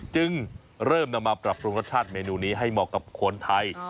จึงเริ่มนำมาปรับปรุงรสชาติเมนูนี้ให้เหมาะกับคนไทย